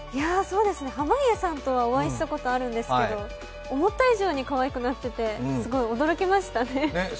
濱家さんとはお会いしたことあるんですけど思った以上にかわいくなってて、すごい驚きましたね。